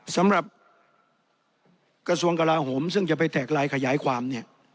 สำหรับกระทรวงกลาโหมซึ่งจะไปแตกลายขยายความเนี่ย